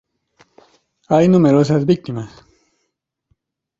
Hay numerosas víctimas"".